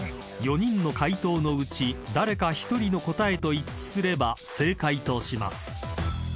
［４人の解答のうち誰か１人の答えと一致すれば正解とします］